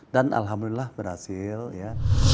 dan alhamdulillah berhasil ya